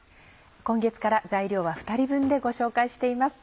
今月から材料は２人分でご紹介しています。